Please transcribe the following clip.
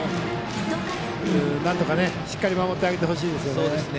なんとかしっかり守ってあげてほしいですね。